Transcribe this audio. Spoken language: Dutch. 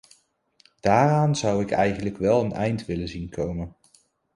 Daaraan zou ik eigenlijk wel een eind willen zien komen.